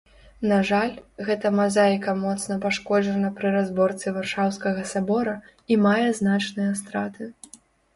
На жаль, гэта мазаіка моцна пашкоджана пры разборцы варшаўскага сабора і мае значныя страты.